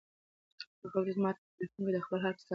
هغه هره ورځ ماته په ټیلیفون کې د خپل حال کیسه کوي.